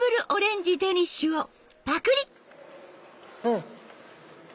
うん！